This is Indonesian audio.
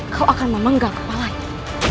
kau akan memenggal kepalanya